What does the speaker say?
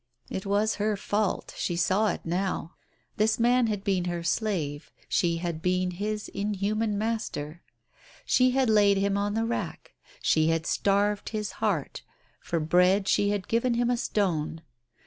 It was her fault; she saw it now. This man had been her slave ; she had been his inhuman master. She had laid him on the rack, she had starved his heart, for bread she had given him a stone.